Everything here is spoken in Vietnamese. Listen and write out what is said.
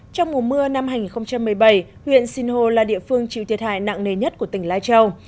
trong mùa mưa năm hai nghìn một mươi bảy huyện sinh hồ là địa phương chịu thiệt hại nặng nề nhất của tỉnh lai châu